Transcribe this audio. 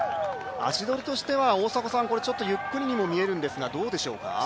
足取りとしてはゆっくりにも見えるんですがどうでしょうか。